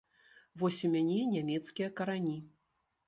Вось у мяне нямецкія карані.